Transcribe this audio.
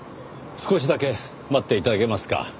少しだけ待って頂けますか。